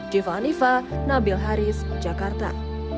jeeva anifah nabil haris jakarta